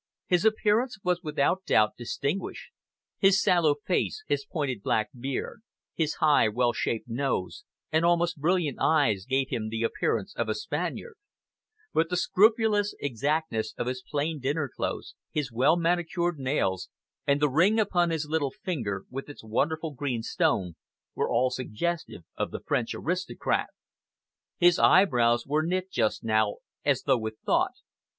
His appearance was without doubt distinguished. His sallow face, his pointed black beard, his high, well shaped nose, and almost brilliant eyes gave him the appearance of a Spaniard; but the scrupulous exactness of his plain dinner clothes, his well manicured nails, and the ring upon his little finger, with its wonderful green stone, were all suggestive of the French aristocrat. His eyebrows were knit just now, as though with thought.